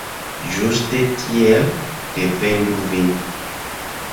Ĝuste tiel, defendu vin!